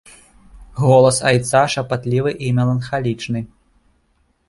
Голас айца шапатлівы і меланхалічны.